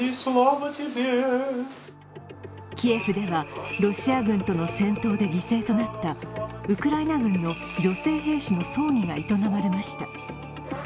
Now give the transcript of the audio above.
キエフでは、ロシア軍との戦闘で犠牲となったウクライナ軍の女性兵士の葬儀が営まれました。